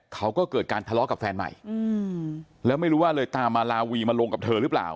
เขาก็เกิดการทะเลาะกับแฟนใหม่แล้วไม่รู้ว่าเลยตามมาลาวีมาลงกับเธอหรือเปล่า